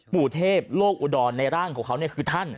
ปู่เทพโลกอุดรในร่างของเขาคือท่าน